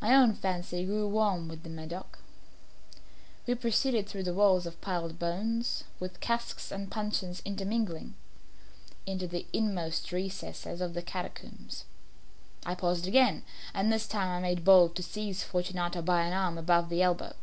My own fancy grew warm with the Medoc. We had passed through walls of piled bones, with casks and puncheons intermingling, into the inmost recesses of catacombs. I paused again, and this time I made bold to seize Fortunato by an arm above the elbow.